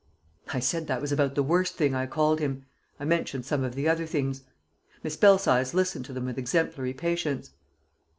I said that was about the worst thing I called him. I mentioned some of the other things. Miss Belsize listened to them with exemplary patience.